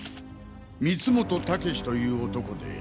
光本猛志という男で。